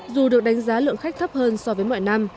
dù được đánh giá lượng khách thấp hơn so với mọi năm